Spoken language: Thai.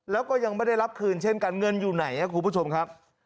แล้วก็ยังไม่ได้รับคืนเช่นกันเงินอยู่ไหนครับคุณผู้ชมครับ